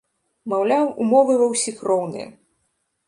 Маўляў, умовы ва ўсіх роўныя.